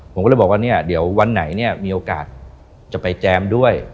ผมก็เลยบอกว่าเนี่ยเดี๋ยววันไหนเนี่ยมีโอกาสจะไปแจมด้วย